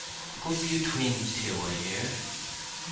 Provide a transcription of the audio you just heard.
"A good few twins, too, I hear?"